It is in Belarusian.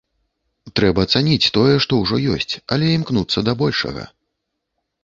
Трэба цаніць тое, што ўжо ёсць, але імкнуцца да большага.